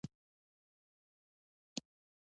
ځکه موټر، کور او نورې اړتیاوې ترلاسه کوئ.